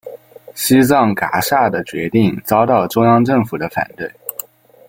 西藏噶厦的决定遭到中央政府的反对。